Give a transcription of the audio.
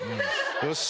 よし。